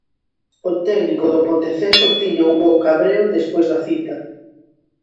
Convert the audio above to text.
O técnico do Ponteceso tiña un bo cabreo despois da cita.